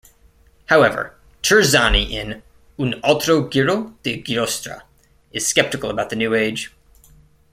However, Terzani in "Un altro giro di giostra" is skeptical about the New Age.